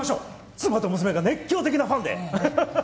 妻と娘が熱狂的なファンではははっ。